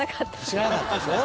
知らなかったでしょ？